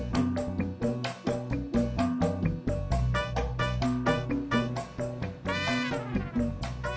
kita ambil bersama